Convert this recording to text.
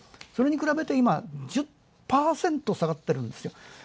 それに比べて１０％下がっているんですよ。